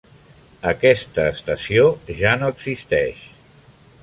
Aquesta estació ja no existeix.